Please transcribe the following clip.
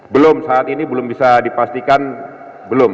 belum saat ini belum bisa dipastikan belum